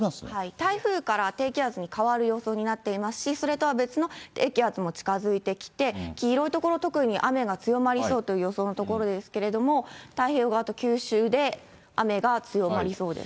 台風から低気圧に変わる予想になっていますし、それとは別の低気圧も近づいてきて、黄色い所、特に雨が強まりそうという予想の所ですけれども、太平洋側と九州で雨が強まりそうです。